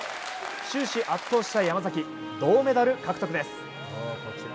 終始、圧倒した山崎銅メダル獲得です。